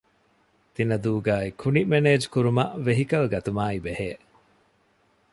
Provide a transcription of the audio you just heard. ތިނަދޫގައި ކުނި މެނޭޖްކުރުމަށް ވެހިކަލް ގަތުމާއި ބެހޭ